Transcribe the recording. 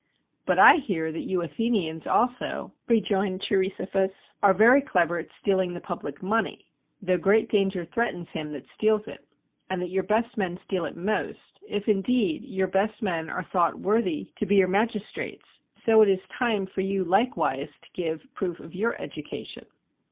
" But I hear that you Athenians also," rejoined Cheirisophus, "are very clever at steal ing the public money, though great danger threatens him that steals it; and that your best men steal it most, if indeed your best men are thought worthy to be your 169 GREECE magistrates; so that it is time for you likewise to give proof of your education."